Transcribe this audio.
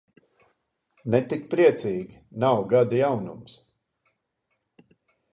Ne tik priecīgi, nav gada jaunums.